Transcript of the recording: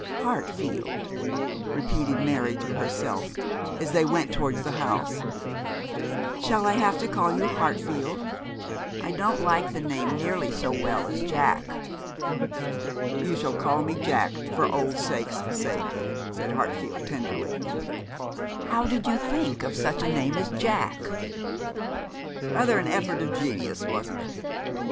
'Hartfield,' repeated Mary, to herself, as they went towards the house; 'shall I have to call you Hartfield? I don't like the name nearly so well as Jack.' 'You shall call me Jack for old sake's sake,' said Hartfield, tenderly. 'How did you think of such a name as Jack?' 'Rather an effort of genius, wasn't it.